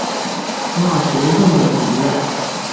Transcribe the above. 那神圣的存在